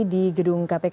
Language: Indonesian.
di gedung kpk